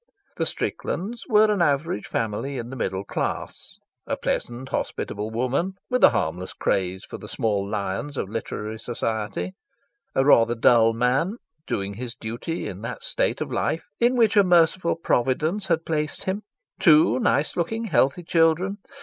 The Stricklands were an average family in the middle class. A pleasant, hospitable woman, with a harmless craze for the small lions of literary society; a rather dull man, doing his duty in that state of life in which a merciful Providence had placed him; two nice looking, healthy children.